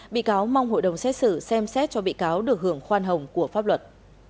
bị cáo mong hội đồng xét xử xem xét cho bị cáo được hưởng khoan hồng của pháp luật